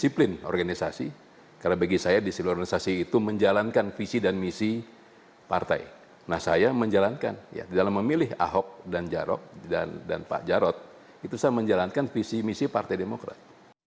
pencaman sangsi yang akan diberikan partai demokrat